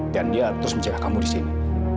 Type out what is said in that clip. dan dia terus menjaga kamu di sini